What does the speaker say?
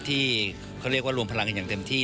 ที่เขาเรียกว่ารวมพลังกันอย่างเต็มที่